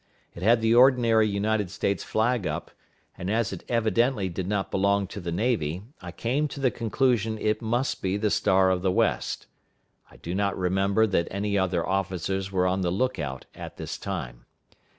It had the ordinary United States flag up; and as it evidently did not belong to the navy, I came to the conclusion it must be the Star of the West. I do not remember that any other officers were on the lookout at this time.